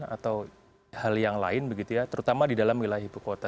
atau hal yang lain terutama di dalam wilayah hibukota